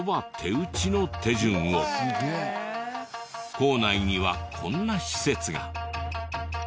校内にはこんな施設が。